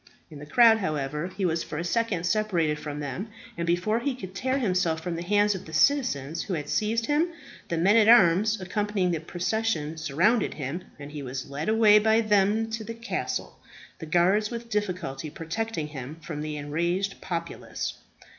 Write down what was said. In the crowd, however, he was for a second separated from them; and before he could tear himself from the hands of the citizens who had seized him, the men at arms accompanying the procession surrounded him, and he was led away by them to the castle, the guards with difficulty protecting him from the enraged populace.